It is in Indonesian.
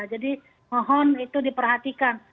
jadi mohon itu diperhatikan